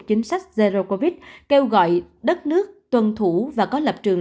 chính sách zero covid kêu gọi đất nước tuân thủ và có lập trường